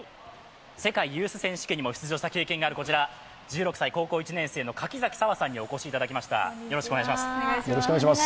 世界ユース選手権にも出場したことがある１６歳高校１年生の柿崎咲羽さんにお願いしたいと思います。